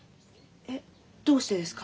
えっどうしてですか？